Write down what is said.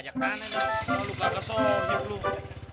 jadi lu mau ngasih informasi rapat doang